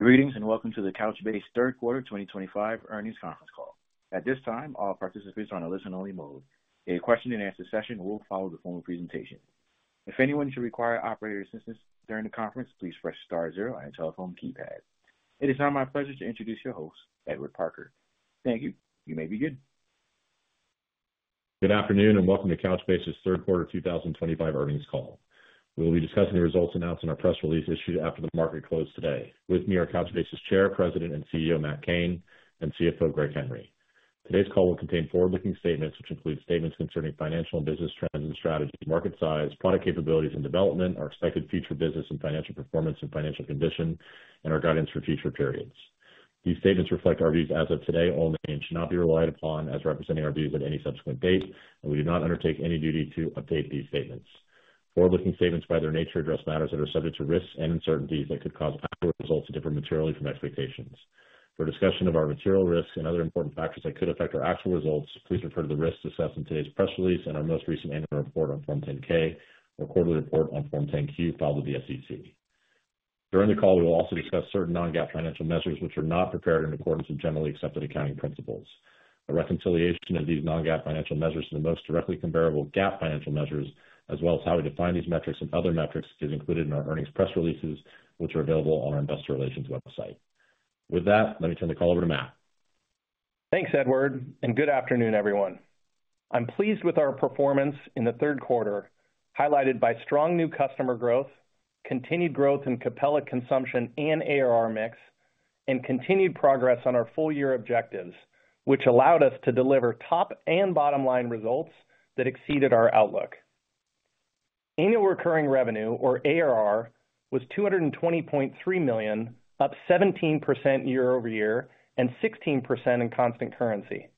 Greetings and welcome to the Couchbase Third Quarter 2025 Earnings Conference Call. At this time, all participants are in a listen-only mode. A question-and-answer session will follow the formal presentation. If anyone should require operator assistance during the conference, please press star zero on your telephone keypad. It is now my pleasure to introduce your host, Edward Parker. Thank you. You may begin. Good afternoon and welcome to Couchbase's Third Quarter 2025 Earnings Call. We will be discussing the results announced in our press release issued after the market closed today. With me are Couchbase's Chair, President, and CEO Matt Cain, and CFO Greg Henry. Today's call will contain forward-looking statements, which include statements concerning financial and business trends and strategy, market size, product capabilities and development, our expected future business and financial performance and financial condition, and our guidance for future periods. These statements reflect our views as of today only and should not be relied upon as representing our views at any subsequent date, and we do not undertake any duty to update these statements. Forward-looking statements, by their nature, address matters that are subject to risks and uncertainties that could cause actual results to differ materially from expectations. For discussion of our material risks and other important factors that could affect our actual results, please refer to the risks discussed in today's press release and our most recent annual report on Form 10-K or quarterly report on Form 10-Q filed with the SEC. During the call, we will also discuss certain non-GAAP financial measures which are not prepared in accordance with generally accepted accounting principles. A reconciliation of these non-GAAP financial measures to the most directly comparable GAAP financial measures, as well as how we define these metrics and other metrics, is included in our earnings press releases, which are available on our investor relations website. With that, let me turn the call over to Matt. Thanks, Edward, and good afternoon, everyone. I'm pleased with our performance in the third quarter, highlighted by strong new customer growth, continued growth in Capella consumption and ARR mix, and continued progress on our full-year objectives, which allowed us to deliver top and bottom-line results that exceeded our outlook. Annual recurring revenue, or ARR, was $220.3 million, up 17% year-over-year and 16% in constant currency.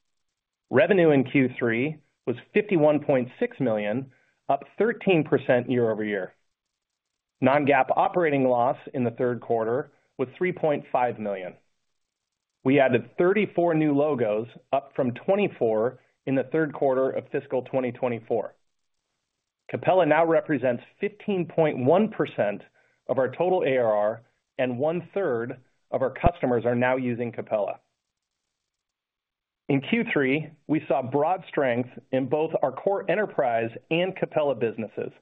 Revenue in Q3 was $51.6 million, up 13% year-over-year. Non-GAAP operating loss in the third quarter was $3.5 million. We added 34 new logos, up from 24 in the third quarter of fiscal 2024. Capella now represents 15.1% of our total ARR, and one-third of our customers are now using Capella. In Q3, we saw broad strength in both our core enterprise and Capella businesses,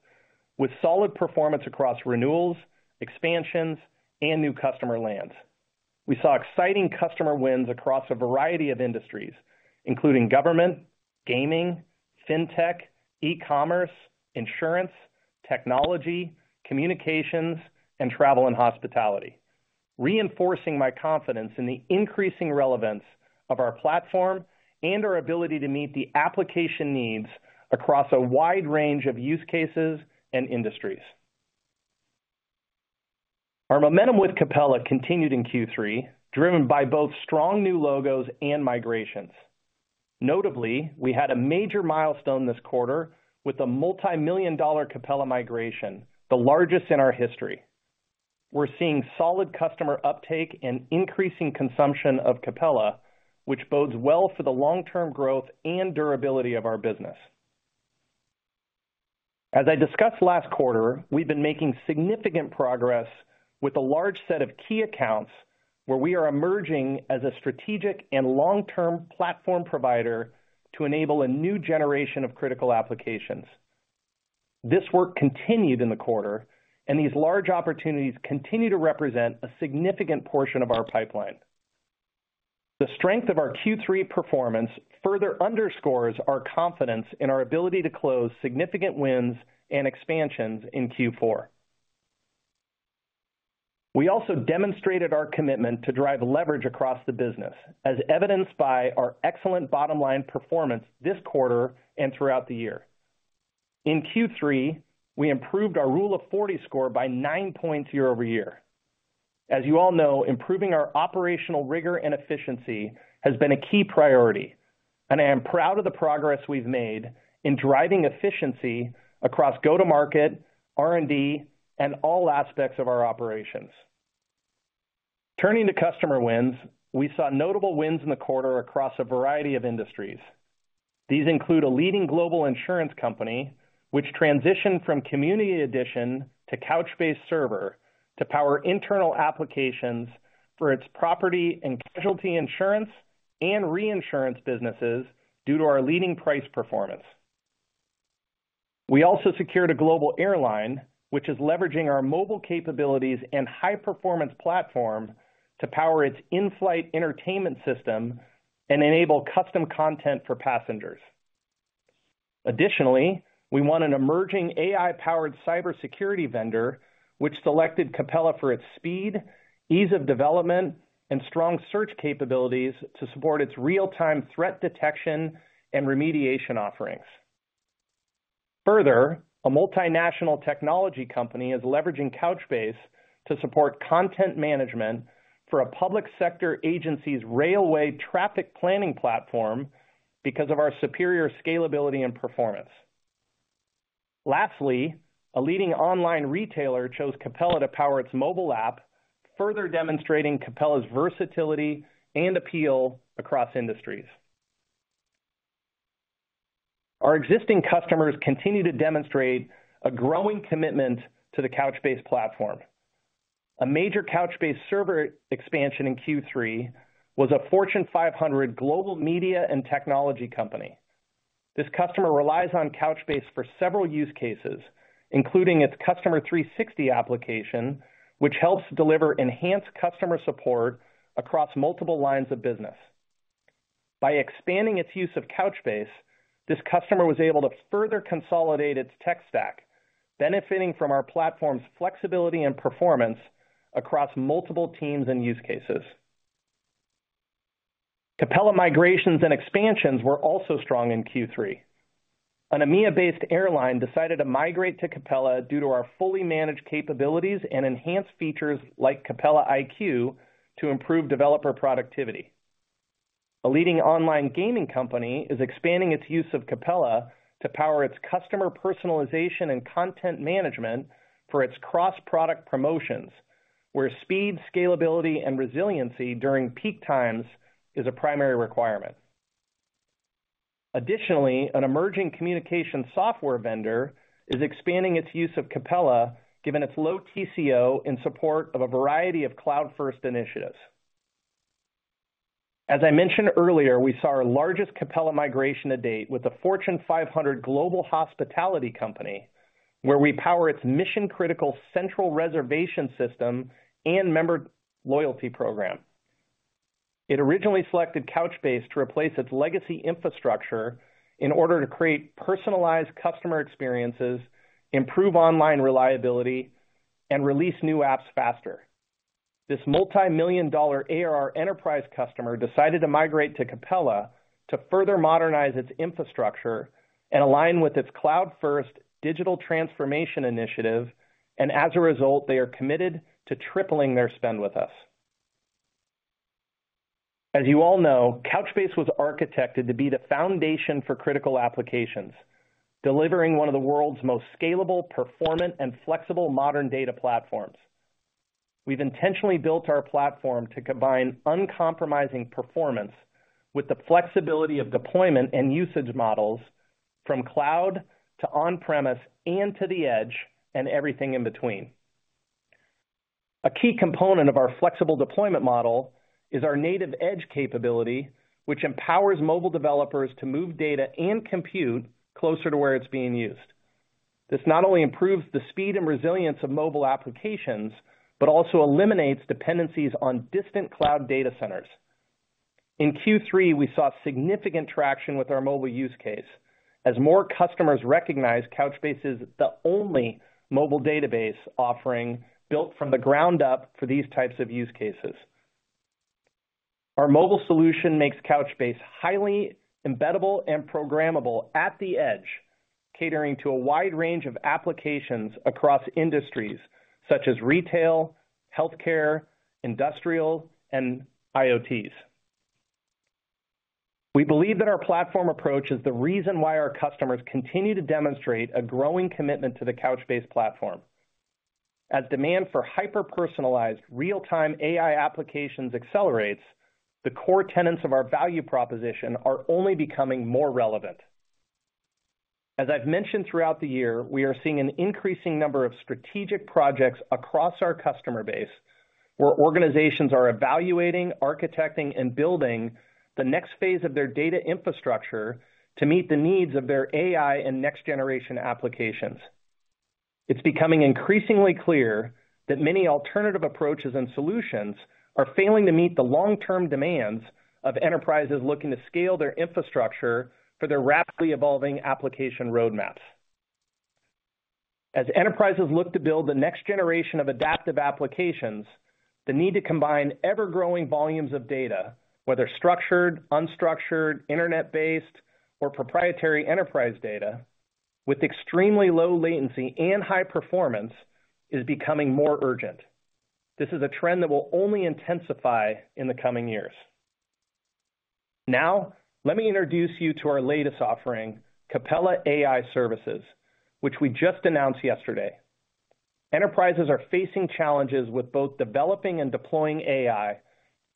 with solid performance across renewals, expansions, and new customer lands. We saw exciting customer wins across a variety of industries, including government, gaming, fintech, e-commerce, insurance, technology, communications, and travel and hospitality, reinforcing my confidence in the increasing relevance of our platform and our ability to meet the application needs across a wide range of use cases and industries. Our momentum with Capella continued in Q3, driven by both strong new logos and migrations. Notably, we had a major milestone this quarter with a multi-million-dollar Capella migration, the largest in our history. We're seeing solid customer uptake and increasing consumption of Capella, which bodes well for the long-term growth and durability of our business. As I discussed last quarter, we've been making significant progress with a large set of key accounts, where we are emerging as a strategic and long-term platform provider to enable a new generation of critical applications. This work continued in the quarter, and these large opportunities continue to represent a significant portion of our pipeline. The strength of our Q3 performance further underscores our confidence in our ability to close significant wins and expansions in Q4. We also demonstrated our commitment to drive leverage across the business, as evidenced by our excellent bottom-line performance this quarter and throughout the year. In Q3, we improved our Rule of 40 score by 9 points year-over-year. As you all know, improving our operational rigor and efficiency has been a key priority, and I am proud of the progress we've made in driving efficiency across go-to-market, R&D, and all aspects of our operations. Turning to customer wins, we saw notable wins in the quarter across a variety of industries. These include a leading global insurance company, which transitioned from Community Edition to Couchbase Server to power internal applications for its property and casualty insurance and reinsurance businesses due to our leading price performance. We also secured a global airline, which is leveraging our mobile capabilities and high-performance platform to power its in-flight entertainment system and enable custom content for passengers. Additionally, we won an emerging AI-powered cybersecurity vendor, which selected Capella for its speed, ease of development, and strong search capabilities to support its real-time threat detection and remediation offerings. Further, a multinational technology company is leveraging Couchbase to support content management for a public sector agency's railway traffic planning platform because of our superior scalability and performance. Lastly, a leading online retailer chose Capella to power its mobile app, further demonstrating Capella's versatility and appeal across industries. Our existing customers continue to demonstrate a growing commitment to the Couchbase platform. A major Couchbase Server expansion in Q3 was a Fortune 500 global media and technology company. This customer relies on Couchbase for several use cases, including its Customer 360 application, which helps deliver enhanced customer support across multiple lines of business. By expanding its use of Couchbase, this customer was able to further consolidate its tech stack, benefiting from our platform's flexibility and performance across multiple teams and use cases. Capella migrations and expansions were also strong in Q3. An EMEA-based airline decided to migrate to Capella due to our fully managed capabilities and enhanced features like Capella iQ to improve developer productivity. A leading online gaming company is expanding its use of Capella to power its customer personalization and content management for its cross-product promotions, where speed, scalability, and resiliency during peak times is a primary requirement. Additionally, an emerging communication software vendor is expanding its use of Capella, given its low TCO in support of a variety of cloud-first initiatives. As I mentioned earlier, we saw our largest Capella migration to date with a Fortune 500 global hospitality company, where we power its mission-critical central reservation system and member loyalty program. It originally selected Couchbase to replace its legacy infrastructure in order to create personalized customer experiences, improve online reliability, and release new apps faster. This multi-million-dollar ARR enterprise customer decided to migrate to Capella to further modernize its infrastructure and align with its cloud-first digital transformation initiative, and as a result, they are committed to tripling their spend with us. As you all know, Couchbase was architected to be the foundation for critical applications, delivering one of the world's most scalable, performant, and flexible modern data platforms. We've intentionally built our platform to combine uncompromising performance with the flexibility of deployment and usage models, from cloud to on-premise and to the edge and everything in between. A key component of our flexible deployment model is our native edge capability, which empowers mobile developers to move data and compute closer to where it's being used. This not only improves the speed and resilience of mobile applications, but also eliminates dependencies on distant cloud data centers. In Q3, we saw significant traction with our mobile use case, as more customers recognized Couchbase's the only mobile database offering built from the ground up for these types of use cases. Our mobile solution makes Couchbase highly embeddable and programmable at the edge, catering to a wide range of applications across industries such as retail, healthcare, industrial, and IoTs. We believe that our platform approach is the reason why our customers continue to demonstrate a growing commitment to the Couchbase platform. As demand for hyper-personalized, real-time AI applications accelerates, the core tenets of our value proposition are only becoming more relevant. As I've mentioned throughout the year, we are seeing an increasing number of strategic projects across our customer base, where organizations are evaluating, architecting, and building the next phase of their data infrastructure to meet the needs of their AI and next-generation applications. It's becoming increasingly clear that many alternative approaches and solutions are failing to meet the long-term demands of enterprises looking to scale their infrastructure for their rapidly evolving application roadmaps. As enterprises look to build the next generation of adaptive applications, the need to combine ever-growing volumes of data, whether structured, unstructured, internet-based, or proprietary enterprise data, with extremely low latency and high performance, is becoming more urgent. This is a trend that will only intensify in the coming years. Now, let me introduce you to our latest offering, Capella AI Services, which we just announced yesterday. Enterprises are facing challenges with both developing and deploying AI,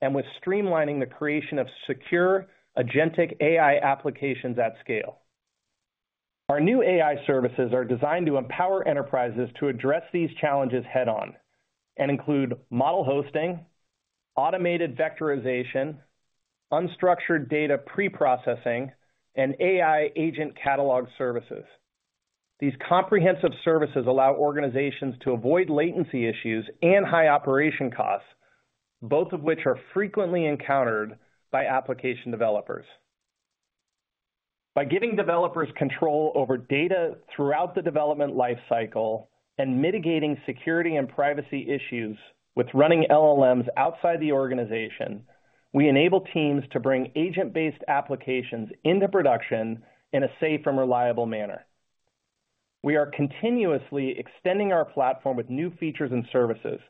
and with streamlining the creation of secure, agentic AI applications at scale. Our new AI services are designed to empower enterprises to address these challenges head-on and include model hosting, automated vectorization, unstructured data pre-processing, and AI agent catalog services. These comprehensive services allow organizations to avoid latency issues and high operation costs, both of which are frequently encountered by application developers. By giving developers control over data throughout the development life cycle and mitigating security and privacy issues with running LLMs outside the organization, we enable teams to bring agent-based applications into production in a safe and reliable manner. We are continuously extending our platform with new features and services,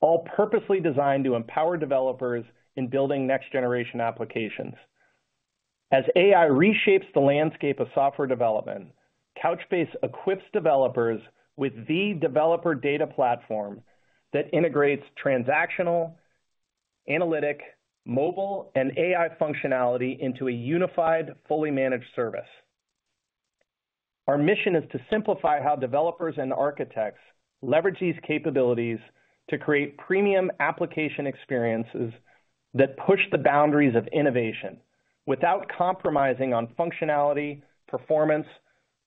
all purposely designed to empower developers in building next-generation applications. As AI reshapes the landscape of software development, Couchbase equips developers with the developer data platform that integrates transactional, analytic, mobile, and AI functionality into a unified, fully managed service. Our mission is to simplify how developers and architects leverage these capabilities to create premium application experiences that push the boundaries of innovation without compromising on functionality, performance,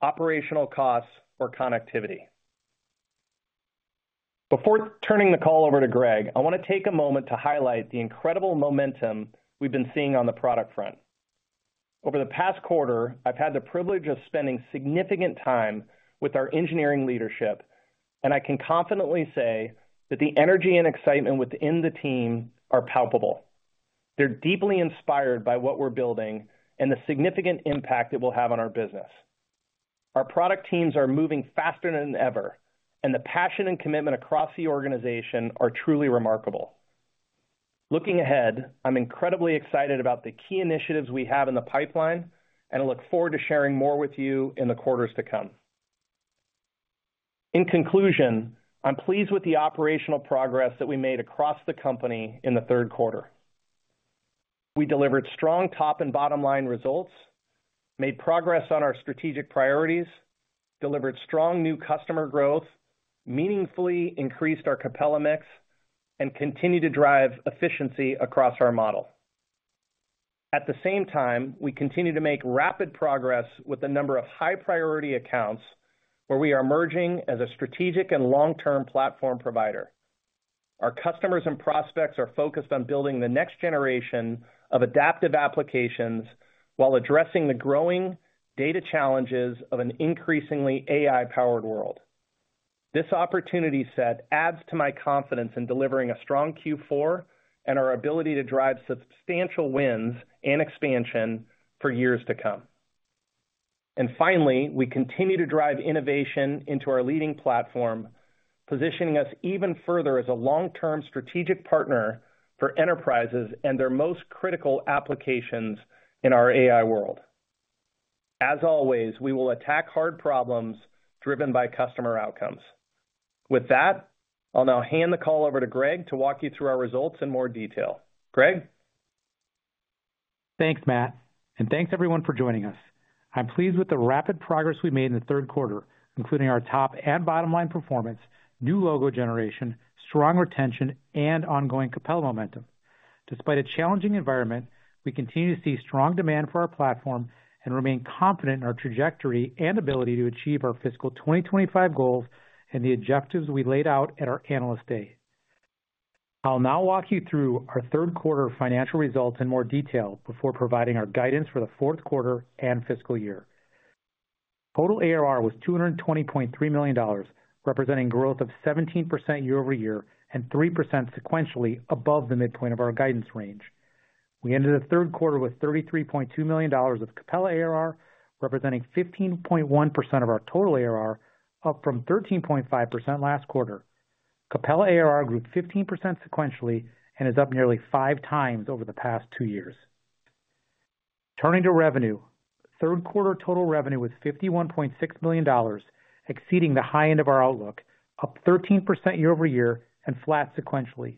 operational costs, or connectivity. Before turning the call over to Greg, I want to take a moment to highlight the incredible momentum we've been seeing on the product front. Over the past quarter, I've had the privilege of spending significant time with our engineering leadership, and I can confidently say that the energy and excitement within the team are palpable. They're deeply inspired by what we're building and the significant impact it will have on our business. Our product teams are moving faster than ever, and the passion and commitment across the organization are truly remarkable. Looking ahead, I'm incredibly excited about the key initiatives we have in the pipeline, and I look forward to sharing more with you in the quarters to come. In conclusion, I'm pleased with the operational progress that we made across the company in the third quarter. We delivered strong top and bottom-line results, made progress on our strategic priorities, delivered strong new customer growth, meaningfully increased our Capella mix, and continue to drive efficiency across our model. At the same time, we continue to make rapid progress with a number of high-priority accounts, where we are emerging as a strategic and long-term platform provider. Our customers and prospects are focused on building the next generation of adaptive applications while addressing the growing data challenges of an increasingly AI-powered world. This opportunity set adds to my confidence in delivering a strong Q4 and our ability to drive substantial wins and expansion for years to come. And finally, we continue to drive innovation into our leading platform, positioning us even further as a long-term strategic partner for enterprises and their most critical applications in our AI world. As always, we will attack hard problems driven by customer outcomes. With that, I'll now hand the call over to Greg to walk you through our results in more detail. Greg? Thanks, Matt, and thanks everyone for joining us. I'm pleased with the rapid progress we made in the third quarter, including our top and bottom-line performance, new logo generation, strong retention, and ongoing Capella momentum. Despite a challenging environment, we continue to see strong demand for our platform and remain confident in our trajectory and ability to achieve our fiscal 2025 goals and the objectives we laid out at our analyst day. I'll now walk you through our third quarter financial results in more detail before providing our guidance for the fourth quarter and fiscal year. Total ARR was $220.3 million, representing growth of 17% year-over-year and 3% sequentially above the midpoint of our guidance range. We ended the third quarter with $33.2 million of Capella ARR, representing 15.1% of our total ARR, up from 13.5% last quarter. Capella ARR grew 15% sequentially and is up nearly five times over the past two years. Turning to revenue, third quarter total revenue was $51.6 million, exceeding the high end of our outlook, up 13% year-over-year and flat sequentially.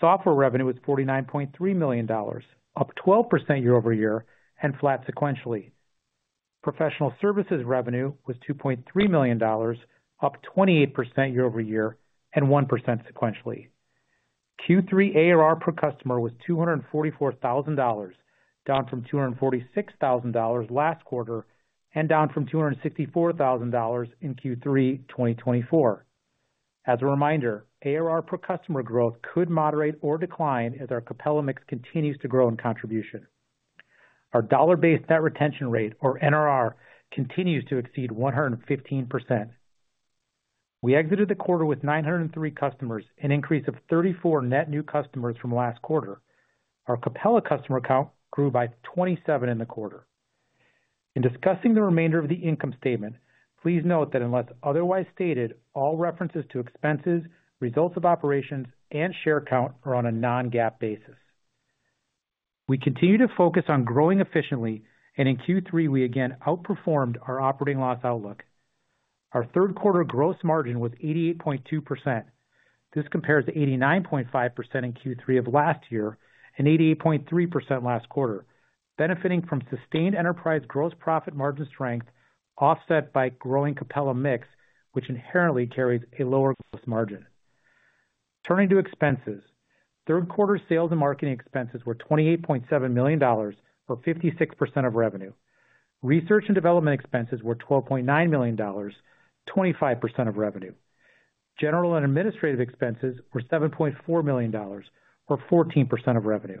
Software revenue was $49.3 million, up 12% year-over-year and flat sequentially. Professional services revenue was $2.3 million, up 28% year-over-year and 1% sequentially. Q3 ARR per customer was $244,000, down from $246,000 last quarter and down from $264,000 in Q3 2024. As a reminder, ARR per customer growth could moderate or decline as our Capella mix continues to grow in contribution. Our dollar-based net retention rate, or NRR, continues to exceed 115%. We exited the quarter with 903 customers, an increase of 34 net new customers from last quarter. Our Capella customer count grew by 27 in the quarter. In discussing the remainder of the income statement, please note that unless otherwise stated, all references to expenses, results of operations, and share count are on a non-GAAP basis. We continue to focus on growing efficiently, and in Q3, we again outperformed our operating loss outlook. Our third quarter gross margin was 88.2%. This compares to 89.5% in Q3 of last year and 88.3% last quarter, benefiting from sustained enterprise gross profit margin strength offset by growing Capella mix, which inherently carries a lower gross margin. Turning to expenses, third quarter sales and marketing expenses were $28.7 million or 56% of revenue. Research and development expenses were $12.9 million, 25% of revenue. General and administrative expenses were $7.4 million, or 14% of revenue.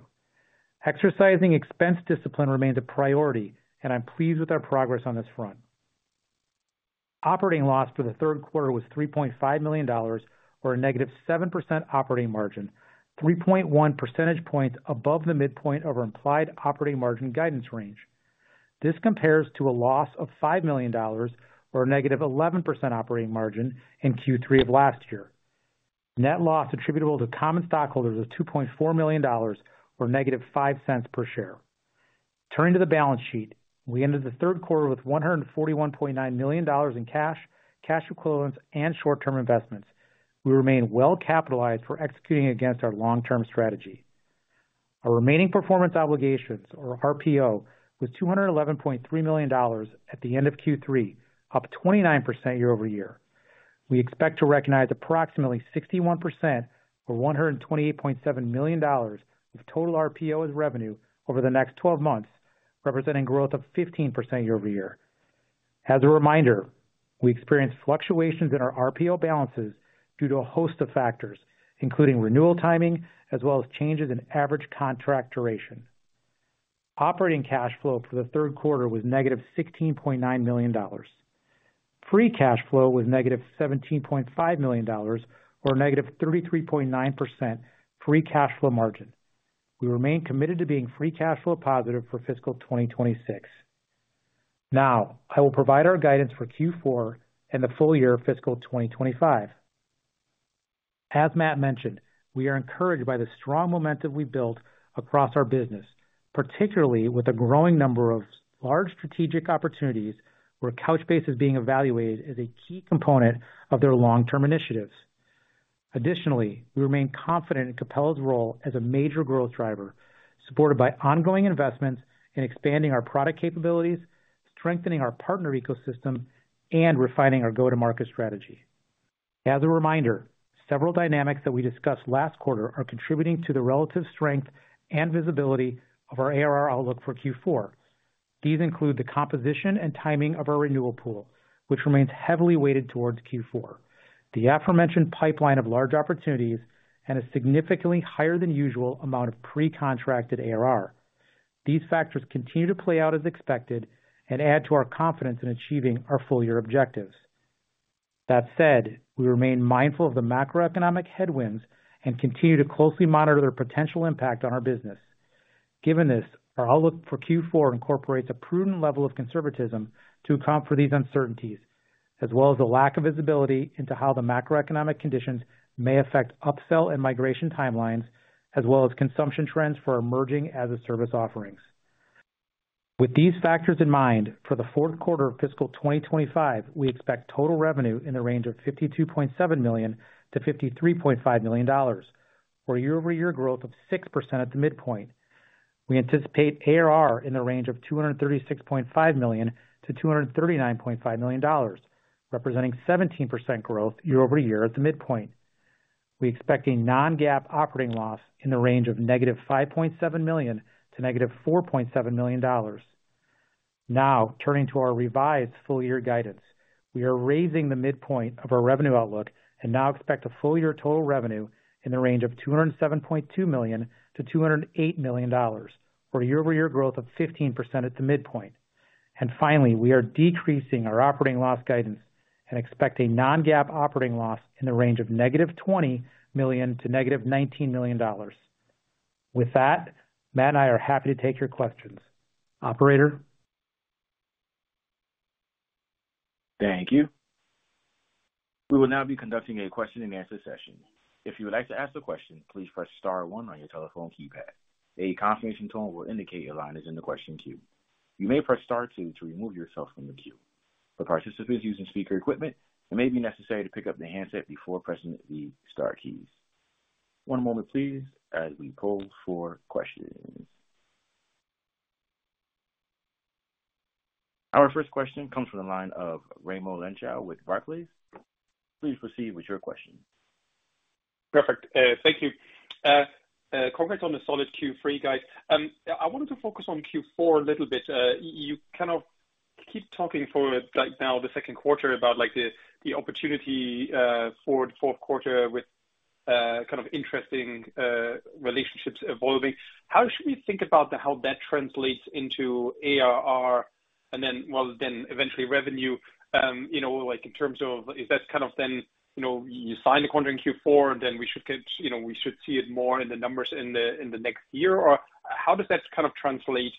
Exercising expense discipline remains a priority, and I'm pleased with our progress on this front. Operating loss for the third quarter was $3.5 million, or a -7% operating margin, 3.1 percentage points above the midpoint of our implied operating margin guidance range. This compares to a loss of $5 million, or a -11% operating margin in Q3 of last year. Net loss attributable to common stockholders was $2.4 million, or -$0.05 per share. Turning to the balance sheet, we ended the third quarter with $141.9 million in cash, cash equivalents, and short-term investments. We remain well capitalized for executing against our long-term strategy. Our remaining performance obligations, or RPO, was $211.3 million at the end of Q3, up 29% year-over-year. We expect to recognize approximately 61%, or $128.7 million, of total RPO as revenue over the next 12 months, representing growth of 15% year-over-year. As a reminder, we experienced fluctuations in our RPO balances due to a host of factors, including renewal timing, as well as changes in average contract duration. Operating cash flow for the third quarter was -$16.9 million. Free cash flow was -$17.5 million, or-33.9% free cash flow margin. We remain committed to being free cash flow positive for fiscal 2026. Now, I will provide our guidance for Q4 and the full year of fiscal 2025. As Matt mentioned, we are encouraged by the strong momentum we've built across our business, particularly with a growing number of large strategic opportunities where Couchbase is being evaluated as a key component of their long-term initiatives. Additionally, we remain confident in Capella's role as a major growth driver, supported by ongoing investments in expanding our product capabilities, strengthening our partner ecosystem, and refining our go-to-market strategy. As a reminder, several dynamics that we discussed last quarter are contributing to the relative strength and visibility of our ARR outlook for Q4. These include the composition and timing of our renewal pool, which remains heavily weighted towards Q4, the aforementioned pipeline of large opportunities, and a significantly higher-than-usual amount of pre-contracted ARR. These factors continue to play out as expected and add to our confidence in achieving our full-year objectives. That said, we remain mindful of the macroeconomic headwinds and continue to closely monitor their potential impact on our business. Given this, our outlook for Q4 incorporates a prudent level of conservatism to account for these uncertainties, as well as a lack of visibility into how the macroeconomic conditions may affect upsell and migration timelines, as well as consumption trends for emerging as-a-service offerings. With these factors in mind, for the fourth quarter of fiscal 2025, we expect total revenue in the range of $52.7 million-$53.5 million, or year-over-year growth of 6% at the midpoint. We anticipate ARR in the range of $236.5 million-$239.5 million, representing 17% growth year-over-year at the midpoint. We expect a non-GAAP operating loss in the range of -$5.7 million to -$4.7 million. Now, turning to our revised full-year guidance, we are raising the midpoint of our revenue outlook and now expect a full-year total revenue in the range of $207.2 million-$208 million, or year-over-year growth of 15% at the midpoint. And finally, we are decreasing our operating loss guidance and expect a non-GAAP operating loss in the range of -$20 million to -$19 million. With that, Matt and I are happy to take your questions. Operator? Thank you. We will now be conducting a question-and-answer session. If you would like to ask a question, please press star one on your telephone keypad. A confirmation tone will indicate your line is in the question queue. You may press star two to remove yourself from the queue. For participants using speaker equipment, it may be necessary to pick up the handset before pressing the star keys. One moment, please, as we pull for questions. Our first question comes from the line of Raimo Lenschow with Barclays. Please proceed with your question. Perfect. Thank you. Congrats on the solid Q3, guys. I wanted to focus on Q4 a little bit. You kind of keep talking for now the second quarter about the opportunity for the fourth quarter with kind of interesting relationships evolving. How should we think about how that translates into ARR and then, well, then eventually revenue, in terms of, is that kind of then you sign the contract in Q4, and then we should see it more in the numbers in the next year? Or how does that kind of translate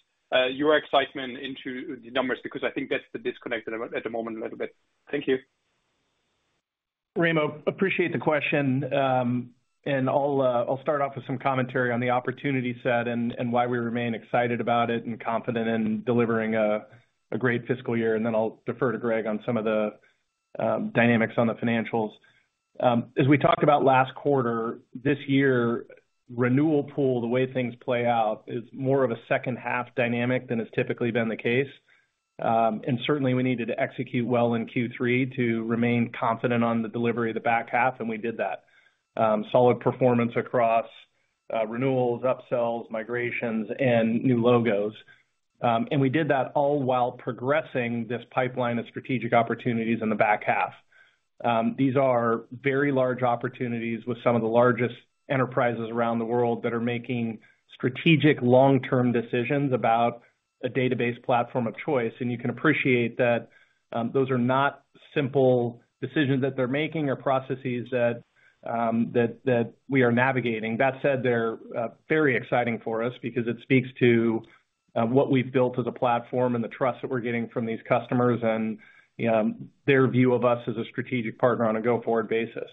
your excitement into the numbers? Because I think that's the disconnect at the moment a little bit. Thank you. Raimo, appreciate the question. I'll start off with some commentary on the opportunity set and why we remain excited about it and confident in delivering a great fiscal year. Then I'll defer to Greg on some of the dynamics on the financials. As we talked about last quarter, this year's renewal pool, the way things play out, is more of a second-half dynamic than has typically been the case. Certainly, we needed to execute well in Q3 to remain confident on the delivery of the back half, and we did that. Solid performance across renewals, upsells, migrations, and new logos. We did that all while progressing this pipeline of strategic opportunities in the back half. These are very large opportunities with some of the largest enterprises around the world that are making strategic long-term decisions about a database platform of choice. You can appreciate that those are not simple decisions that they're making or processes that we are navigating. That said, they're very exciting for us because it speaks to what we've built as a platform and the trust that we're getting from these customers and their view of us as a strategic partner on a go-forward basis.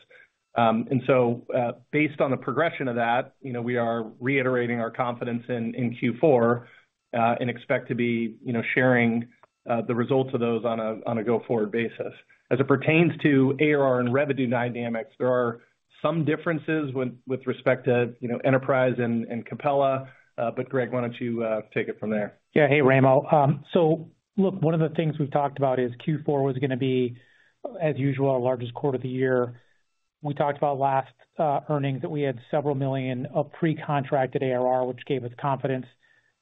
And so, based on the progression of that, we are reiterating our confidence in Q4 and expect to be sharing the results of those on a go-forward basis. As it pertains to ARR and revenue dynamics, there are some differences with respect to enterprise and Capella, but Greg, why don't you take it from there? Yeah. Hey, Raimo. So look, one of the things we've talked about is Q4 was going to be, as usual, our largest quarter of the year. We talked about last earnings that we had several million of pre-contracted ARR, which gave us confidence.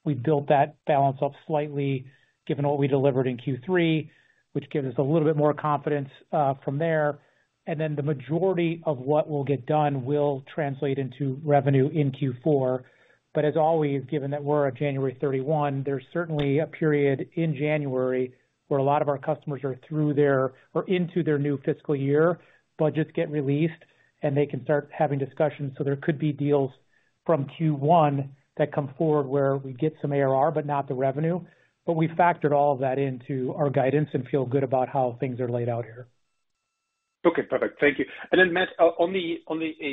We built that balance up slightly given what we delivered in Q3, which gives us a little bit more confidence from there. And then the majority of what we'll get done will translate into revenue in Q4. But as always, given that we're at January 31, there's certainly a period in January where a lot of our customers are through their or into their new fiscal year, budgets get released, and they can start having discussions. So there could be deals from Q1 that come forward where we get some ARR, but not the revenue. But we factored all of that into our guidance and feel good about how things are laid out here. Okay. Perfect. Thank you. And then, Matt, on the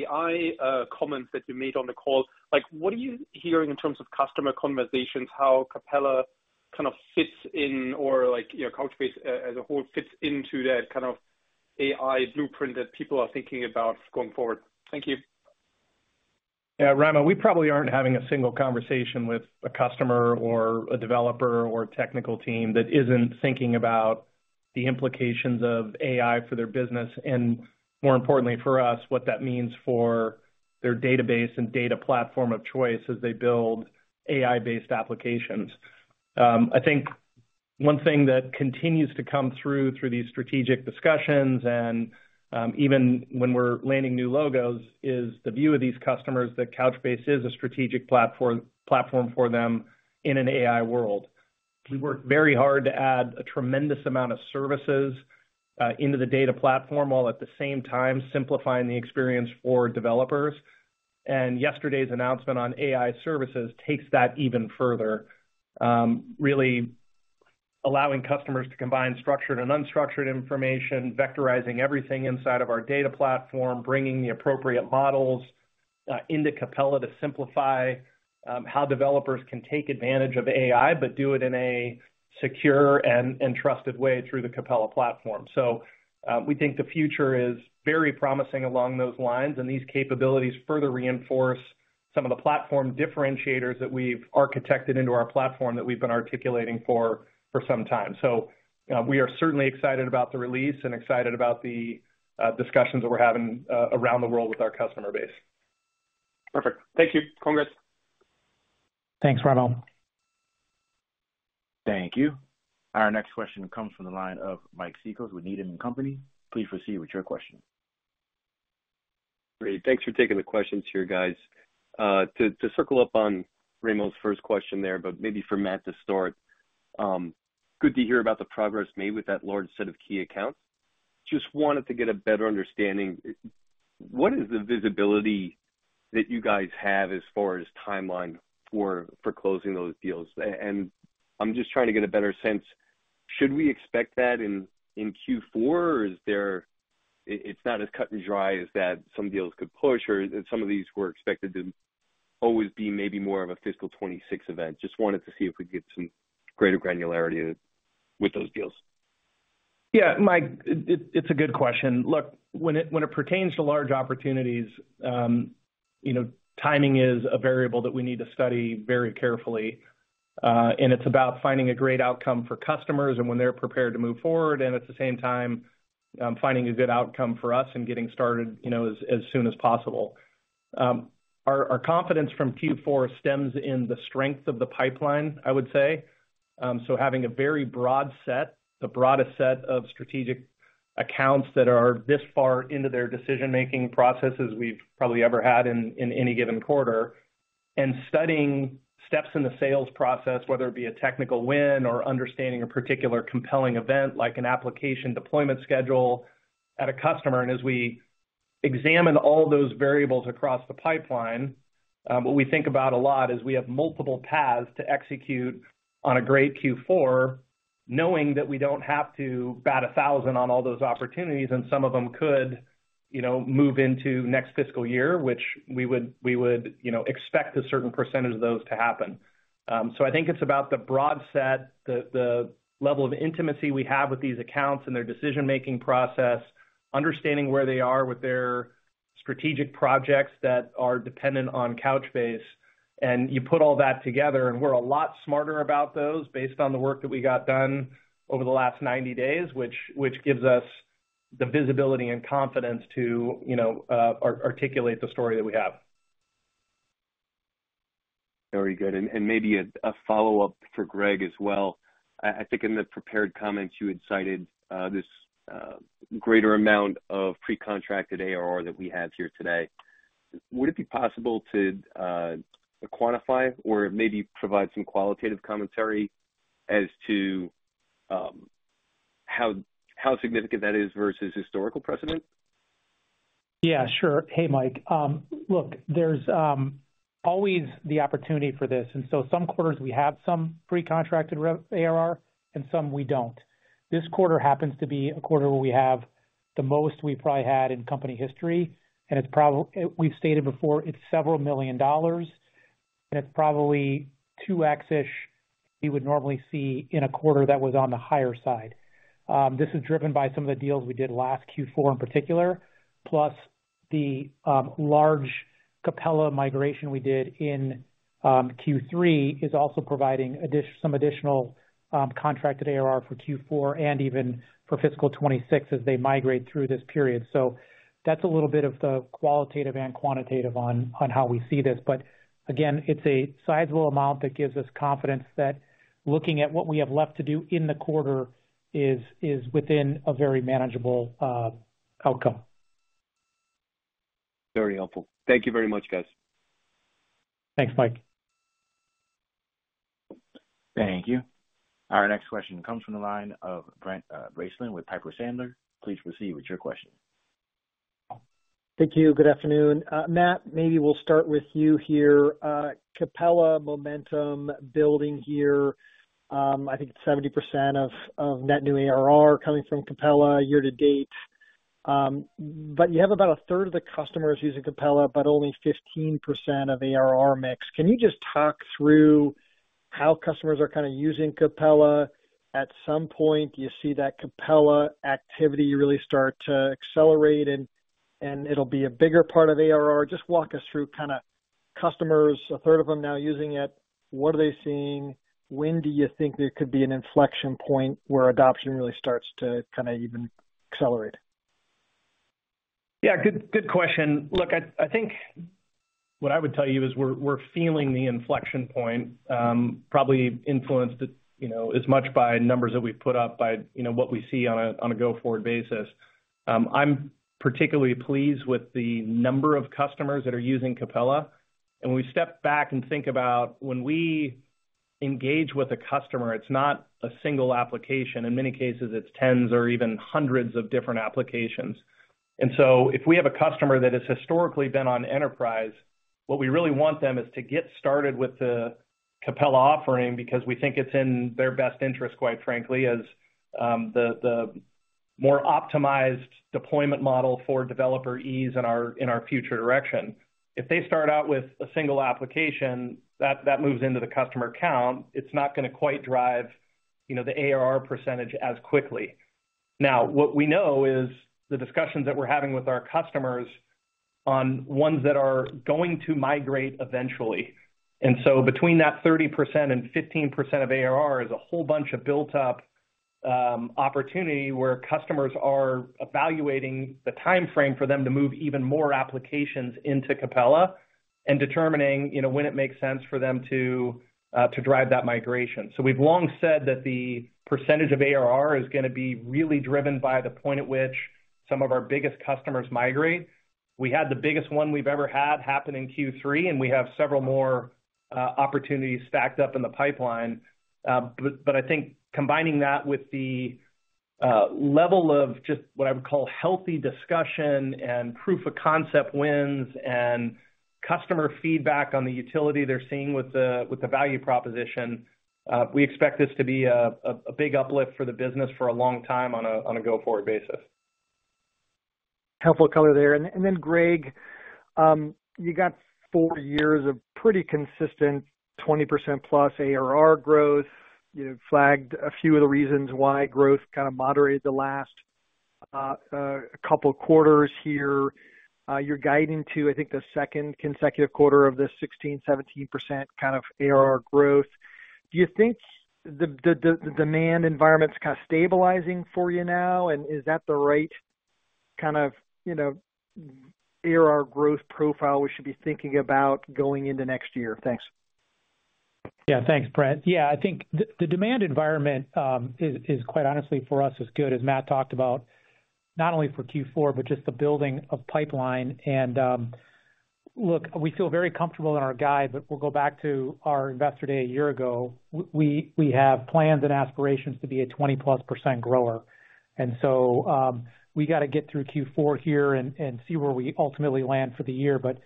AI comments that you made on the call, what are you hearing in terms of customer conversations, how Capella kind of fits in, or Couchbase as a whole fits into that kind of AI blueprint that people are thinking about going forward? Thank you. Yeah. Raimo, we probably aren't having a single conversation with a customer or a developer or a technical team that isn't thinking about the implications of AI for their business and, more importantly for us, what that means for their database and data platform of choice as they build AI-based applications. I think one thing that continues to come through these strategic discussions and even when we're landing new logos is the view of these customers that Couchbase is a strategic platform for them in an AI world. We work very hard to add a tremendous amount of services into the data platform while at the same time simplifying the experience for developers. And yesterday's announcement on AI services takes that even further, really allowing customers to combine structured and unstructured information, vectorizing everything inside of our data platform, bringing the appropriate models into Capella to simplify how developers can take advantage of AI, but do it in a secure and trusted way through the Capella platform. So we think the future is very promising along those lines, and these capabilities further reinforce some of the platform differentiators that we've architected into our platform that we've been articulating for some time. So we are certainly excited about the release and excited about the discussions that we're having around the world with our customer base. Perfect. Thank you. Congrats. Thanks, Raimo. Thank you. Our next question comes from the line of Mike Cikos from Needham & Company. Please proceed with your question. Great. Thanks for taking the questions here, guys. To circle up on Raimo's first question there, but maybe for Matt to start, good to hear about the progress made with that large set of key accounts. Just wanted to get a better understanding. What is the visibility that you guys have as far as timeline for closing those deals? And I'm just trying to get a better sense. Should we expect that in Q4, or is there it's not as cut and dried as that some deals could push, or some of these were expected to always be maybe more of a fiscal 2026 event? Just wanted to see if we could get some greater granularity with those deals. Yeah, Mike, it's a good question. Look, when it pertains to large opportunities, timing is a variable that we need to study very carefully. It's about finding a great outcome for customers and when they're prepared to move forward, and at the same time, finding a good outcome for us and getting started as soon as possible. Our confidence from Q4 stems from the strength of the pipeline, I would say. Having a very broad set, the broadest set of strategic accounts that are this far into their decision-making processes we've probably ever had in any given quarter, and steady steps in the sales process, whether it be a technical win or understanding a particular compelling event like an application deployment schedule at a customer. As we examine all those variables across the pipeline, what we think about a lot is we have multiple paths to execute on a great Q4, knowing that we don't have to bat 1,000 on all those opportunities, and some of them could move into next fiscal year, which we would expect a certain percentage of those to happen. I think it's about the broad set, the level of intimacy we have with these accounts and their decision-making process, understanding where they are with their strategic projects that are dependent on Couchbase. You put all that together, and we're a lot smarter about those based on the work that we got done over the last 90 days, which gives us the visibility and confidence to articulate the story that we have. Very good. Maybe a follow-up for Greg as well. I think in the prepared comments, you had cited this greater amount of pre-contracted ARR that we have here today. Would it be possible to quantify or maybe provide some qualitative commentary as to how significant that is versus historical precedent? Yeah, sure. Hey, Mike. Look, there's always the opportunity for this, and so some quarters, we have some pre-contracted ARR, and some we don't. This quarter happens to be a quarter where we have the most we've probably had in company history, and we've stated before, it's several million dollars, and it's probably 2x-ish we would normally see in a quarter that was on the higher side. This is driven by some of the deals we did last Q4 in particular, plus the large Capella migration we did in Q3 is also providing some additional contracted ARR for Q4 and even for fiscal 2026 as they migrate through this period, so that's a little bit of the qualitative and quantitative on how we see this, but again, it's a sizable amount that gives us confidence that looking at what we have left to do in the quarter is within a very manageable outcome. Very helpful. Thank you very much, guys. Thanks, Mike. Thank you. Our next question comes from the line of Brent Bracelin with Piper Sandler. Please proceed with your question. Thank you. Good afternoon. Matt, maybe we'll start with you here. Capella momentum building here. I think 70% of net new ARR coming from Capella year to date. But you have about a third of the customers using Capella, but only 15% of ARR mix. Can you just talk through how customers are kind of using Capella? At some point, do you see that Capella activity really start to accelerate, and it'll be a bigger part of ARR? Just walk us through kind of customers, a third of them now using it. What are they seeing? When do you think there could be an inflection point where adoption really starts to kind of even accelerate? Yeah, good question. Look, I think what I would tell you is we're feeling the inflection point, probably influenced as much by numbers that we've put up, by what we see on a go-forward basis. I'm particularly pleased with the number of customers that are using Capella. And when we step back and think about when we engage with a customer, it's not a single application. In many cases, it's tens or even hundreds of different applications. And so if we have a customer that has historically been on enterprise, what we really want them is to get started with the Capella offering because we think it's in their best interest, quite frankly, as the more optimized deployment model for developer ease in our future direction. If they start out with a single application, that moves into the customer count. It's not going to quite drive the ARR percentage as quickly. Now, what we know is the discussions that we're having with our customers on ones that are going to migrate eventually. And so between that 30% and 15% of ARR is a whole bunch of built-up opportunity where customers are evaluating the timeframe for them to move even more applications into Capella and determining when it makes sense for them to drive that migration. So we've long said that the percentage of ARR is going to be really driven by the point at which some of our biggest customers migrate. We had the biggest one we've ever had happen in Q3, and we have several more opportunities stacked up in the pipeline. But I think combining that with the level of just what I would call healthy discussion and proof of concept wins and customer feedback on the utility they're seeing with the value proposition, we expect this to be a big uplift for the business for a long time on a go-forward basis. Helpful color there. And then, Greg, you got four years of pretty consistent 20%+ ARR growth. You flagged a few of the reasons why growth kind of moderated the last couple of quarters here. You're guiding to, I think, the second consecutive quarter of the 16%-17% kind of ARR growth. Do you think the demand environment's kind of stabilizing for you now? And is that the right kind of ARR growth profile we should be thinking about going into next year? Thanks. Yeah, thanks, Brent. Yeah, I think the demand environment is, quite honestly, for us, as good as Matt talked about, not only for Q4, but just the building of pipeline. And look, we feel very comfortable in our guide, but we'll go back to our investor day a year ago. We have plans and aspirations to be a 20%+ grower. And so we got to get through Q4 here and see where we ultimately land for the year. But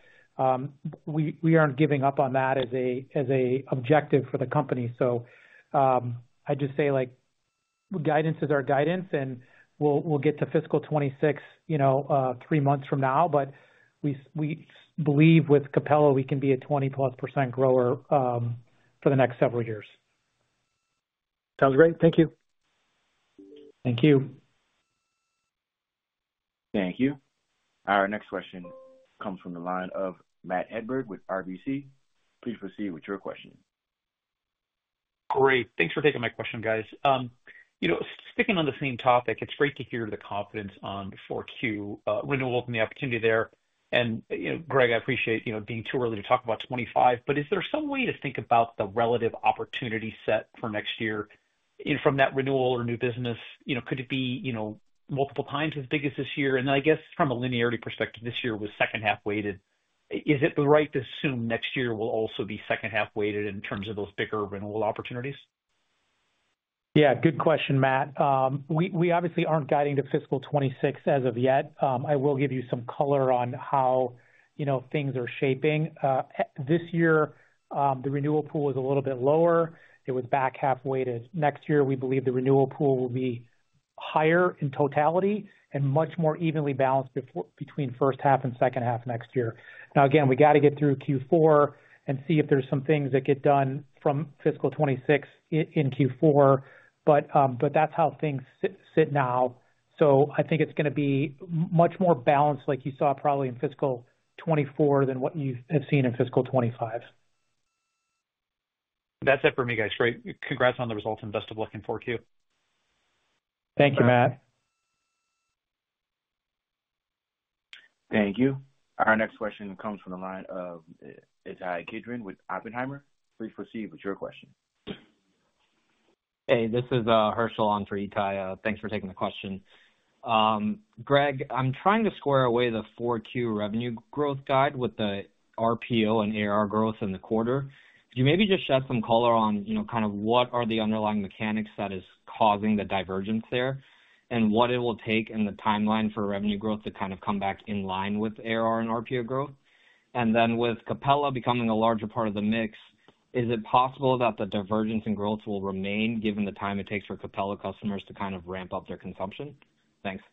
we aren't giving up on that as an objective for the company. So I just say guidance is our guidance, and we'll get to fiscal 2026 three months from now. But we believe with Capella, we can be a 20%+ grower for the next several years. Sounds great. Thank you. Thank you. Thank you. Our next question comes from the line of Matt Hedberg with RBC. Please proceed with your question. Great. Thanks for taking my question, guys. Sticking on the same topic, it's great to hear the confidence on the Q4 renewal and the opportunity there. And Greg, I appreciate being too early to talk about 2025, but is there some way to think about the relative opportunity set for next year from that renewal or new business? Could it be multiple times as big as this year? And then I guess from a linearity perspective, this year was second-half weighted. Is it the right to assume next year will also be second-half weighted in terms of those bigger renewal opportunities? Yeah, good question, Matt. We obviously aren't guiding to fiscal 2026 as of yet. I will give you some color on how things are shaping. This year, the renewal pool was a little bit lower. It was back half-weighted. Next year, we believe the renewal pool will be higher in totality and much more evenly balanced between first half and second half next year. Now, again, we got to get through Q4 and see if there's some things that get done from fiscal 2026 in Q4, but that's how things sit now. So I think it's going to be much more balanced, like you saw probably in fiscal 2024, than what you have seen in fiscal 2025. That's it for me, guys. Great. Congrats on the results. And best of luck in 4Q. Thank you, Matt. Thank you. Our next question comes from the line of Ittai Kidron with Oppenheimer. Please proceed with your question. Hey, this is Harshil on for Ittai. Thanks for taking the question. Greg, I'm trying to square away the 4Q revenue growth guide with the RPO and ARR growth in the quarter. Could you maybe just shed some color on kind of what are the underlying mechanics that is causing the divergence there and what it will take in the timeline for revenue growth to kind of come back in line with ARR and RPO growth? And then with Capella becoming a larger part of the mix, is it possible that the divergence in growth will remain given the time it takes for Capella customers to kind of ramp up their consumption? Thanks.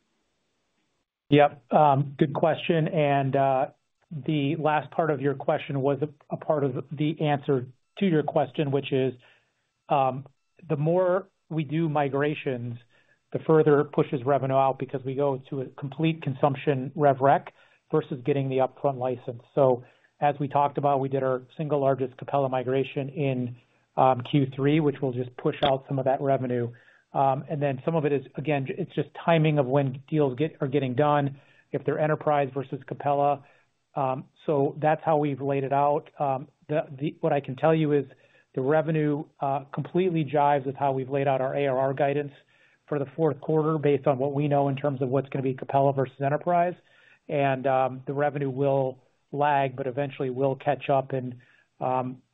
Yep. Good question, and the last part of your question was a part of the answer to your question, which is the more we do migrations, the further it pushes revenue out because we go to a complete consumption rev rec versus getting the upfront license, so as we talked about, we did our single largest Capella migration in Q3, which will just push out some of that revenue, and then some of it is, again, it's just timing of when deals are getting done, if they're enterprise versus Capella, so that's how we've laid it out. What I can tell you is the revenue completely jives with how we've laid out our ARR guidance for the fourth quarter based on what we know in terms of what's going to be Capella versus enterprise. And the revenue will lag, but eventually will catch up. And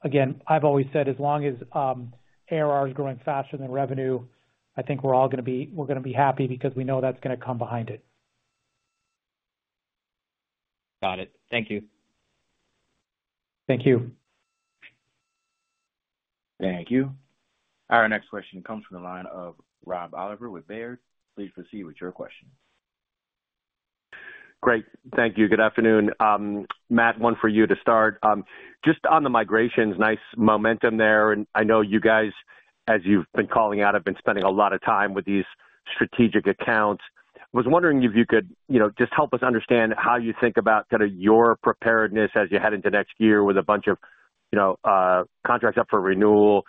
again, I've always said as long as ARR is growing faster than revenue, I think we're all going to be happy because we know that's going to come behind it. Got it. Thank you. Thank you. Thank you. Our next question comes from the line of Rob Oliver with Baird. Please proceed with your question. Great. Thank you. Good afternoon. Matt, one for you to start. Just on the migrations, nice momentum there. And I know you guys, as you've been calling out, have been spending a lot of time with these strategic accounts. I was wondering if you could just help us understand how you think about kind of your preparedness as you head into next year with a bunch of contracts up for renewal,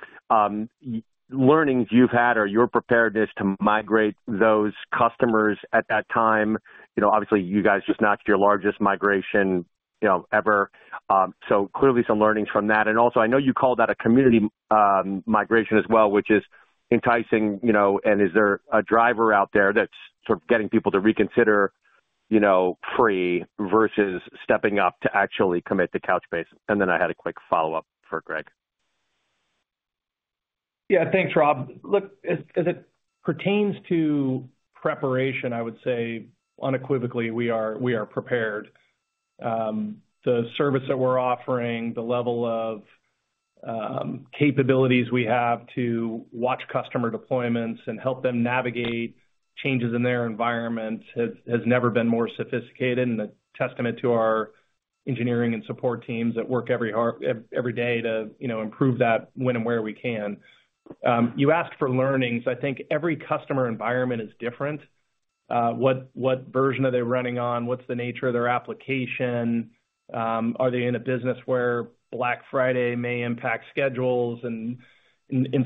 learnings you've had, or your preparedness to migrate those customers at that time. Obviously, you guys just notched your largest migration ever. So clearly, some learnings from that. And also, I know you called that a community migration as well, which is enticing. And is there a driver out there that's sort of getting people to reconsider free versus stepping up to actually commit to Couchbase? And then I had a quick follow-up for Greg. Yeah, thanks, Rob. Look, as it pertains to preparation, I would say unequivocally we are prepared. The service that we're offering, the level of capabilities we have to watch customer deployments and help them navigate changes in their environment has never been more sophisticated and a testament to our engineering and support teams that work every day to improve that when and where we can. You asked for learnings. I think every customer environment is different. What version are they running on? What's the nature of their application? Are they in a business where Black Friday may impact schedules? And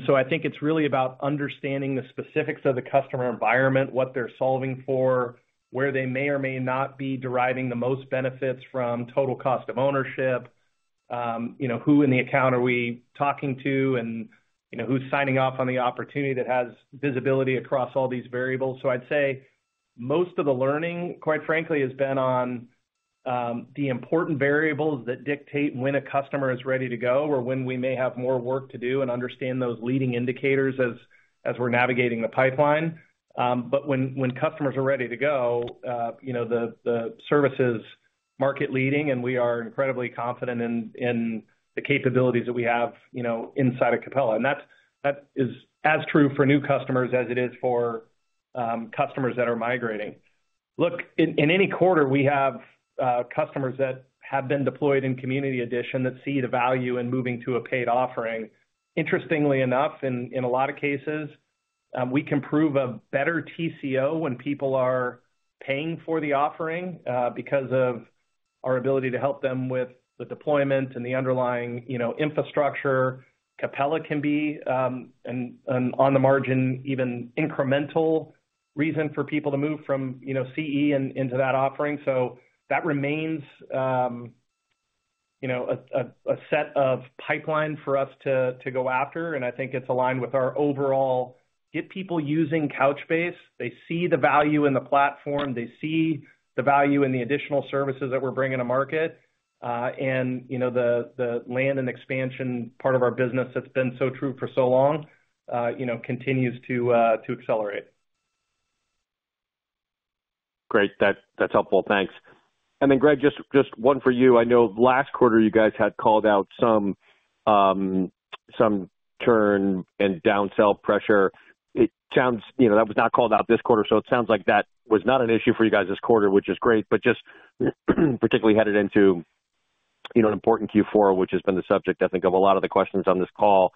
so I think it's really about understanding the specifics of the customer environment, what they're solving for, where they may or may not be deriving the most benefits from total cost of ownership, who in the account are we talking to, and who's signing off on the opportunity that has visibility across all these variables. So I'd say most of the learning, quite frankly, has been on the important variables that dictate when a customer is ready to go or when we may have more work to do and understand those leading indicators as we're navigating the pipeline. But when customers are ready to go, the service is market-leading, and we are incredibly confident in the capabilities that we have inside of Capella. And that is as true for new customers as it is for customers that are migrating. Look, in any quarter, we have customers that have been deployed in Community Edition that see the value in moving to a paid offering. Interestingly enough, in a lot of cases, we can prove a better TCO when people are paying for the offering because of our ability to help them with the deployment and the underlying infrastructure. Capella can be an on-the-margin, even incremental reason for people to move from CE into that offering. So that remains a set of pipeline for us to go after. And I think it's aligned with our overall get people using Couchbase. They see the value in the platform. They see the value in the additional services that we're bringing to market. And the land and expansion part of our business that's been so true for so long continues to accelerate. Great. That's helpful. Thanks. And then, Greg, just one for you. I know last quarter, you guys had called out some churn and downsell pressure. It sounds that was not called out this quarter. So it sounds like that was not an issue for you guys this quarter, which is great. But just particularly headed into an important Q4, which has been the subject, I think, of a lot of the questions on this call,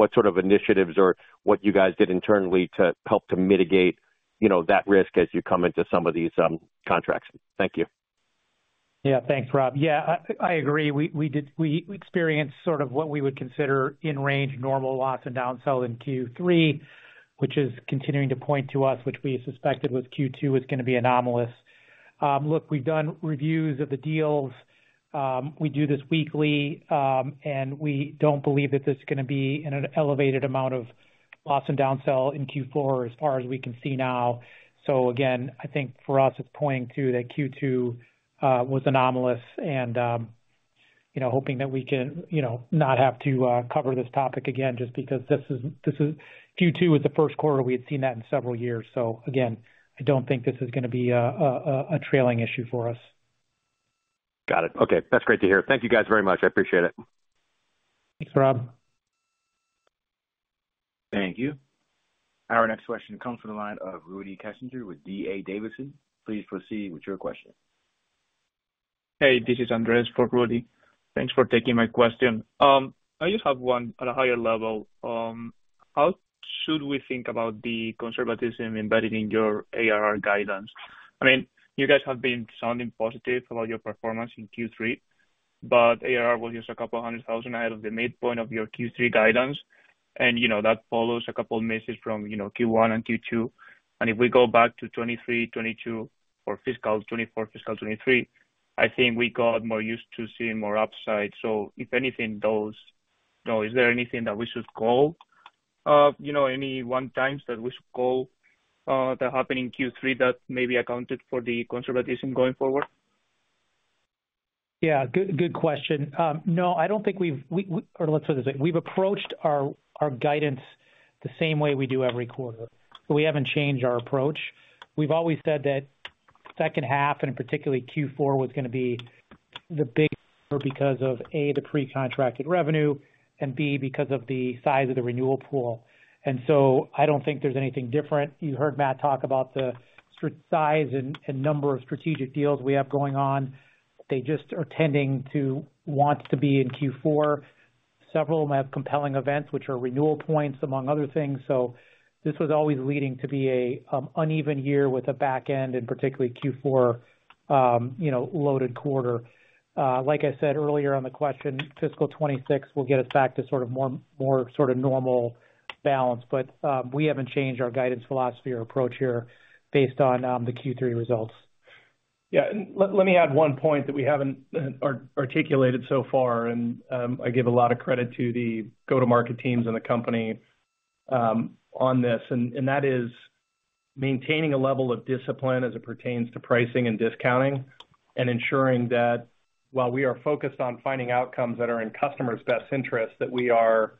what sort of initiatives or what you guys did internally to help to mitigate that risk as you come into some of these contracts? Thank you. Yeah, thanks, Rob. Yeah, I agree. We experienced sort of what we would consider in-range normal loss and downsell in Q3, which is continuing to point to us, which we suspected with Q2 was going to be anomalous. Look, we've done reviews of the deals. We do this weekly, and we don't believe that this is going to be in an elevated amount of loss and downsell in Q4 as far as we can see now. So again, I think for us, it's pointing to that Q2 was anomalous and hoping that we can not have to cover this topic again just because this is Q2, the first quarter we had seen that in several years. So again, I don't think this is going to be a trailing issue for us. Got it. Okay. That's great to hear. Thank you guys very much. I appreciate it. Thanks, Rob. Thank you. Our next question comes from the line of Rudy Kessinger with D.A. Davidson. Please proceed with your question. Hey, this is Andres for Rudy. Thanks for taking my question. I just have one at a higher level. How should we think about the conservatism embedded in your ARR guidance? I mean, you guys have been sounding positive about your performance in Q3, but ARR was just a couple of hundred thousand ahead of the midpoint of your Q3 guidance. And that follows a couple of misses from Q1 and Q2. And if we go back to 2023, 2022 for fiscal 2024, fiscal 2023, I think we got more used to seeing more upside. So if anything, those, is there anything that we should call, any one times that we should call that happened in Q3 that maybe accounted for the conservatism going forward? Yeah, good question. No, I don't think we've or let's put it this way. We've approached our guidance the same way we do every quarter. We haven't changed our approach. We've always said that second half, and particularly Q4, was going to be the bigger because of, A, the pre-contracted revenue, and B, because of the size of the renewal pool, and so I don't think there's anything different. You heard Matt talk about the size and number of strategic deals we have going on. They just are tending to want to be in Q4. Several of them have compelling events, which are renewal points, among other things, so this was always leading to be an uneven year with a back end, and particularly Q4 loaded quarter. Like I said earlier on the question, fiscal 2026 will get us back to sort of more sort of normal balance. But we haven't changed our guidance philosophy or approach here based on the Q3 results. Yeah, and let me add one point that we haven't articulated so far. I give a lot of credit to the go-to-market teams and the company on this. That is maintaining a level of discipline as it pertains to pricing and discounting and ensuring that while we are focused on finding outcomes that are in customers' best interest, that we are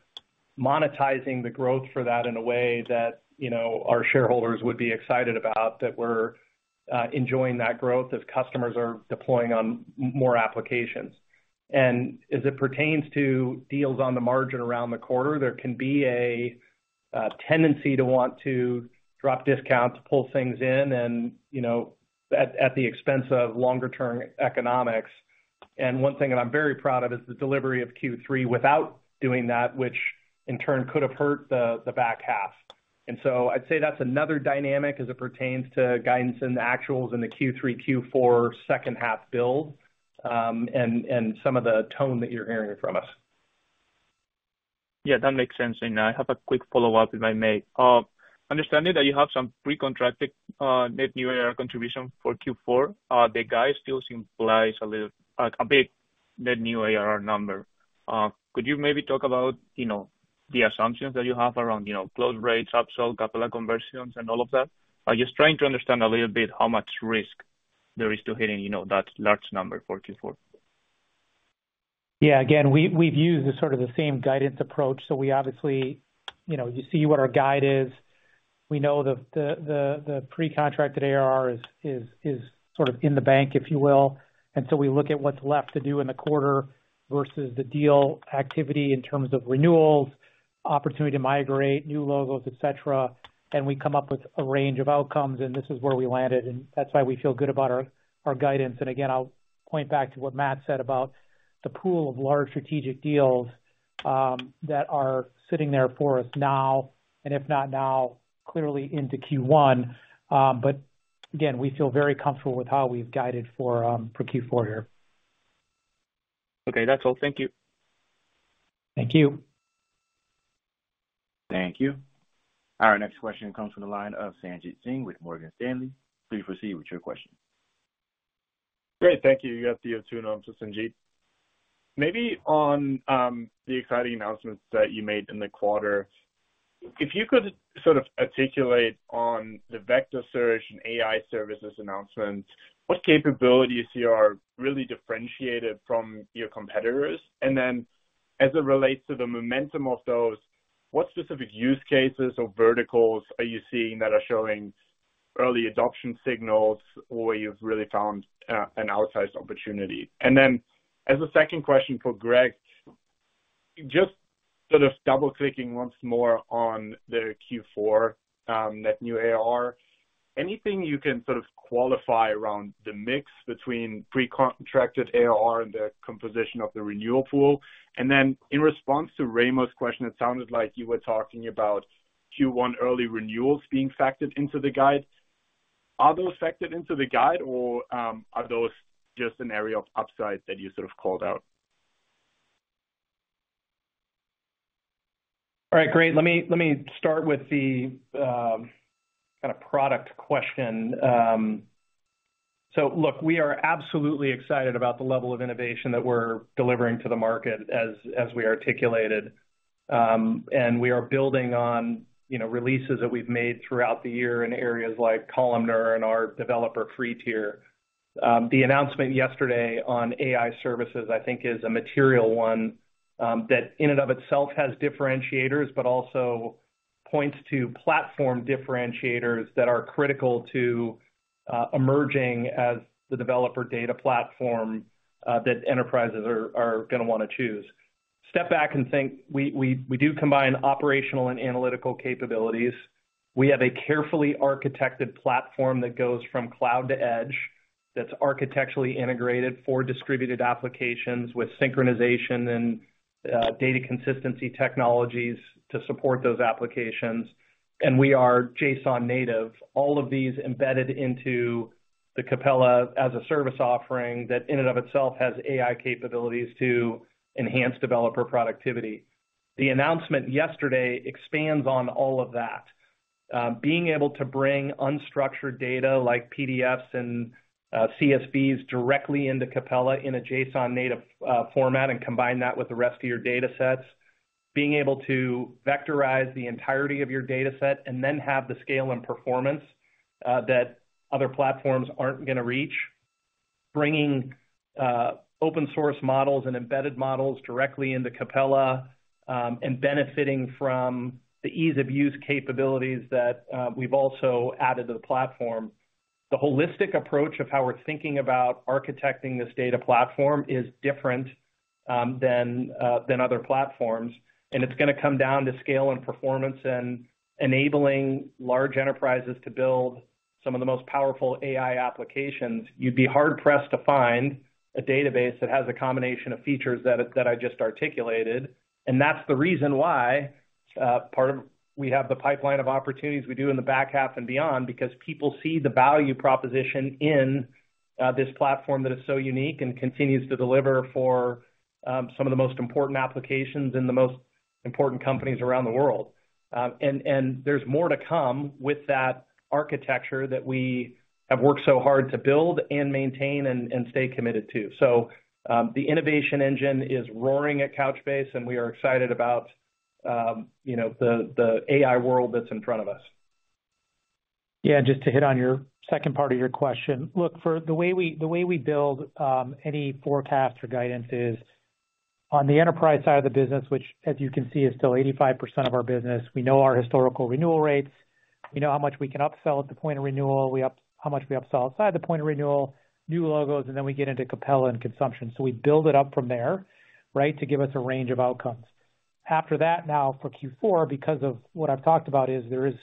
monetizing the growth for that in a way that our shareholders would be excited about, that we're enjoying that growth as customers are deploying on more applications. As it pertains to deals on the margin around the quarter, there can be a tendency to want to drop discounts, pull things in, and at the expense of longer-term economics. One thing that I'm very proud of is the delivery of Q3 without doing that, which in turn could have hurt the back half. And so I'd say that's another dynamic as it pertains to guidance in the actuals in the Q3, Q4 second half build and some of the tone that you're hearing from us. Yeah, that makes sense. And I have a quick follow-up, if I may. Understanding that you have some pre-contracted net new ARR contribution for Q4, the guide still implies a big net new ARR number. Could you maybe talk about the assumptions that you have around close rates, upsell, Capella conversions, and all of that? I'm just trying to understand a little bit how much risk there is to hitting that large number for Q4. Yeah. Again, we've used sort of the same guidance approach. So we obviously see what our guide is. We know the pre-contracted ARR is sort of in the bank, if you will. And so we look at what's left to do in the quarter versus the deal activity in terms of renewals, opportunity to migrate, new logos, etc. And we come up with a range of outcomes. And this is where we landed. And that's why we feel good about our guidance. And again, I'll point back to what Matt said about the pool of large strategic deals that are sitting there for us now, and if not now, clearly into Q1. But again, we feel very comfortable with how we've guided for Q4 here. Okay. That's all. Thank you. Thank you. Thank you. Our next question comes from the line of Sanjit Singh with Morgan Stanley. Please proceed with your question. Great. Thank you. You have the opportunity to Sanjit. Maybe on the exciting announcements that you made in the quarter, if you could sort of articulate on the vector search and AI services announcements, what capabilities you see are really differentiated from your competitors? And then as it relates to the momentum of those, what specific use cases or verticals are you seeing that are showing early adoption signals or where you've really found an outsized opportunity? And then as a second question for Greg, just sort of double-clicking once more on the Q4 net new ARR, anything you can sort of qualify around the mix between pre-contracted ARR and the composition of the renewal pool? And then in response to Raimo's question, it sounded like you were talking about Q1 early renewals being factored into the guide. Are those factored into the guide, or are those just an area of upside that you sort of called out? All right. Great. Let me start with the kind of product question, so look, we are absolutely excited about the level of innovation that we're delivering to the market as we articulated, and we are building on releases that we've made throughout the year in areas like columnar and our developer free tier. The announcement yesterday on AI services, I think, is a material one that in and of itself has differentiators, but also points to platform differentiators that are critical to emerging as the developer data platform that enterprises are going to want to choose. Step back and think. We do combine operational and analytical capabilities. We have a carefully architected platform that goes from cloud to edge that's architecturally integrated for distributed applications with synchronization and data consistency technologies to support those applications. We are JSON native, all of these embedded into the Capella as a service offering that in and of itself has AI capabilities to enhance developer productivity. The announcement yesterday expands on all of that. Being able to bring unstructured data like PDFs and CSVs directly into Capella in a JSON native format and combine that with the rest of your data sets, being able to vectorize the entirety of your data set and then have the scale and performance that other platforms aren't going to reach, bringing open-source models and embedded models directly into Capella and benefiting from the ease-of-use capabilities that we've also added to the platform. The holistic approach of how we're thinking about architecting this data platform is different than other platforms. It's going to come down to scale and performance and enabling large enterprises to build some of the most powerful AI applications. You'd be hard-pressed to find a database that has a combination of features that I just articulated. And that's the reason why we have the pipeline of opportunities we do in the back half and beyond because people see the value proposition in this platform that is so unique and continues to deliver for some of the most important applications in the most important companies around the world. And there's more to come with that architecture that we have worked so hard to build and maintain and stay committed to. So the innovation engine is roaring at Couchbase, and we are excited about the AI world that's in front of us. Yeah. Just to hit on your second part of your question, look, for the way we build any forecast or guidance is on the enterprise side of the business, which, as you can see, is still 85% of our business. We know our historical renewal rates. We know how much we can upsell at the point of renewal, how much we upsell outside the point of renewal, new logos, and then we get into Capella and consumption. So we build it up from there, right, to give us a range of outcomes. After that, now for Q4, because of what I've talked about, there is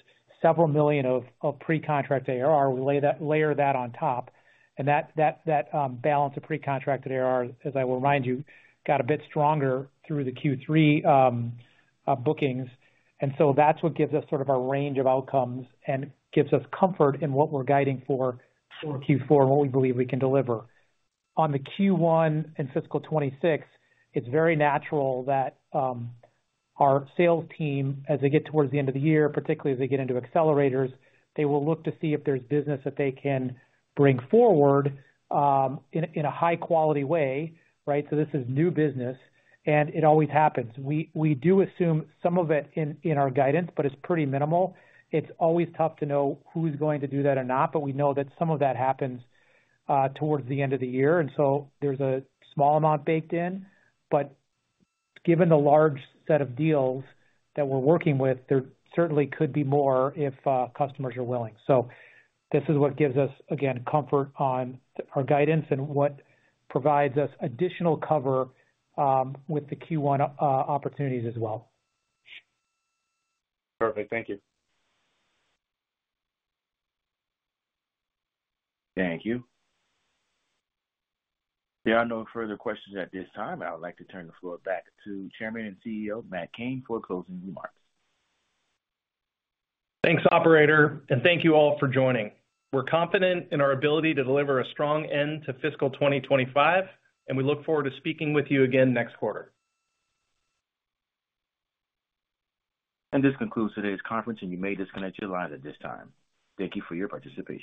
several million of pre-contracted ARR, we layer that on top. And that balance of pre-contracted ARR, as I will remind you, got a bit stronger through the Q3 bookings. And so that's what gives us sort of our range of outcomes and gives us comfort in what we're guiding for Q4 and what we believe we can deliver. On the Q1 and fiscal 2026, it's very natural that our sales team, as they get towards the end of the year, particularly as they get into accelerators, they will look to see if there's business that they can bring forward in a high-quality way, right? So this is new business. And it always happens. We do assume some of it in our guidance, but it's pretty minimal. It's always tough to know who's going to do that or not, but we know that some of that happens towards the end of the year. And so there's a small amount baked in. But given the large set of deals that we're working with, there certainly could be more if customers are willing. So this is what gives us, again, comfort on our guidance and what provides us additional cover with the Q1 opportunities as well. Perfect. Thank you. Thank you. There are no further questions at this time. I would like to turn the floor back to Chairman and CEO Matt Cain for closing remarks. Thanks, Operator. And thank you all for joining. We're confident in our ability to deliver a strong end to fiscal 2025, and we look forward to speaking with you again next quarter. And this concludes today's conference, and you may disconnect your lines at this time. Thank you for your participation.